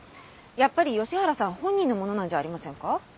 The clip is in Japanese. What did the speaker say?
やっぱり吉原さん本人のものなんじゃありませんか？